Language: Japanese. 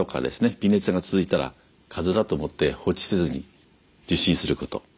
微熱が続いたらかぜだと思って放置せずに受診すること。